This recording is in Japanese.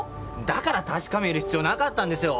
だから確かめる必要なかったんですよ。